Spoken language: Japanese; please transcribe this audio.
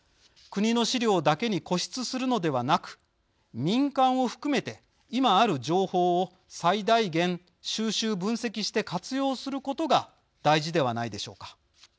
国の資料だけに固執するのではなく民間を含めて、今ある情報を最大限収集・分析して活用することが大事ではないでしょうか。